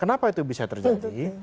kenapa itu bisa terjadi